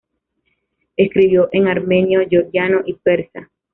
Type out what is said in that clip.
Escribió en armenio, georgiano y persa.